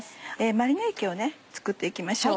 マリネ液を作って行きましょう。